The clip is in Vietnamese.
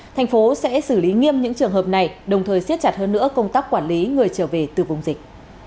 tp đà nẵng sẽ xử lý nghiêm những trường hợp này đồng thời xiết chặt hơn nữa công tác quản lý người trở về từ vùng dịch